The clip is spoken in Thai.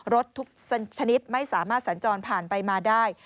รถทุกชนิดไม่สามารถสัญจรผ่านไปมาได้